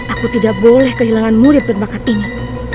aku tidak boleh kehilangan murid berbakat ini